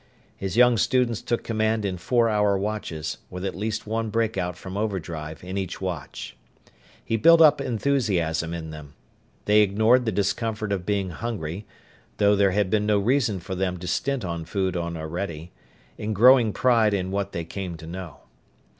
His young students took command in four hour watches, with at least one breakout from overdrive in each watch. He built up enthusiasm in them. They ignored the discomfort of being hungry though there had been no reason for them to stint on food on Orede in growing pride in what they came to know.